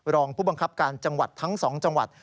รองผู้บังคับการจังหวัดทั้ง๒จังหวัด